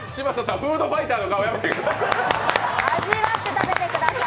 フードファイターの顔、やめてください。